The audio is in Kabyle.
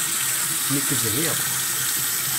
Nekk zhiɣ.